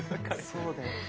そうだよね。